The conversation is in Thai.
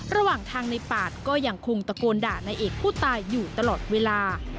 ระหว่างทางในปาดก็ยังคงตะโกนด่านายเอกผู้ตายอยู่ตลอดเวลา